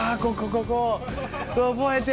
ここ！